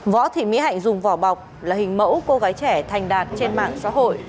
võ thị mỹ hạnh dùng vỏ bọc là hình mẫu cô gái trẻ thành đạt trên mạng xã hội